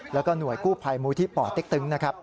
และหน่วยกู้ภัยมูลที่ป่อเต็กตึง